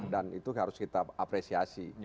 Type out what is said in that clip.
dan itu harus kita apresiasi